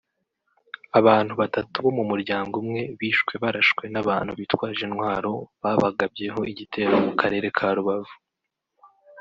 Abantu batatu bo mu muryango umwe bishwe barashwe n’abantu bitwaje intwaro babagabyeho igitero mu karere ka Rubavu